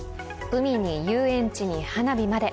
海に遊園地に花火まで。